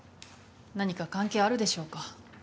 何か関係あるでしょうか？